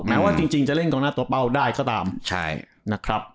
แม้ว่าจริงจะเล่นกองหน้าตัวเป้าได้ก็ตามใช่นะครับ